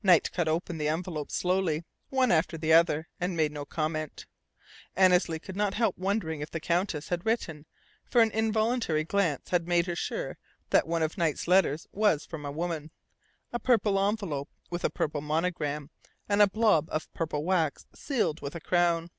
Knight cut open the envelopes slowly, one after the other, and made no comment. Annesley could not help wondering if the Countess had written, for an involuntary glance had made her sure that one of Knight's letters was from a woman: a purple envelope with a purple monogram and a blob of purple wax sealed with a crown.